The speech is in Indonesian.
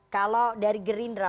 kalau dari gerindra